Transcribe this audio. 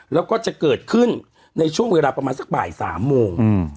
แล้วก็จะเกิดขึ้นในช่วงเวลาประมาณสักบ่ายสามโมง